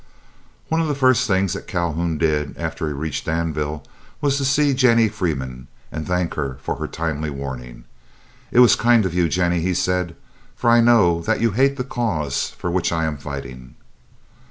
One of the first things that Calhoun did after he reached Danville was to see Jennie Freeman and thank her for her timely warning. "It was kind of you, Jennie," he said, "for I know that you hate the cause for which I am fighting."